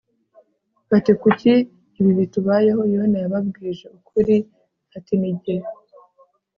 bati kuki ibi bitubayeho yona yababwije ukuri ati ni jye